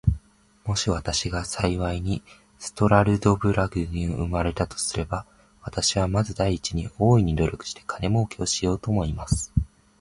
もし私が幸いにストラルドブラグに生れたとすれば、私はまず第一に、大いに努力して金もうけをしようと思います。